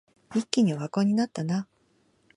一気にオワコンになったな